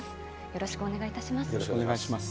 よろしくお願いします。